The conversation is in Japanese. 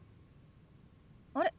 あれ？